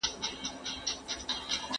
زه د انار په خوړلو اخته یم.